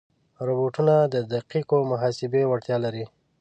روبوټونه د دقیقو محاسبې وړتیا لري.